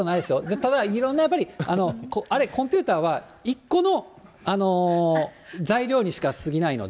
ただ、いろんなやっぱり、あれ、コンピューターは、１個の材料にしかすぎないので。